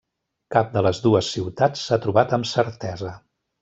Cap de les dues ciutats s'ha trobat amb certesa.